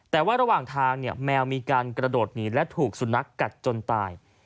แต่ว่าระหว่างทางเนี่ยแมวมีการกระโดดหนีและถูกสุนัขกัดจนตาย